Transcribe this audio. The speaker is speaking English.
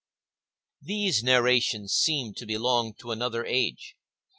These narrations seemed to belong to another age.